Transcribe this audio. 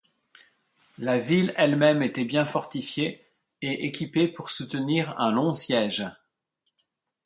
La ville elle-même était bien fortifiée, et équipée pour soutenir un long siège.